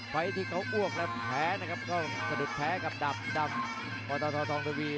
ไว้ที่เขาอวกและแพ้นะครับก็สะดุดแพ้กับดำปรทธทองตวี